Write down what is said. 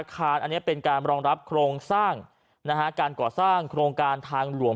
คารอันนี้เป็นการรองรับโครงสร้างนะฮะการก่อสร้างโครงการทางหลวง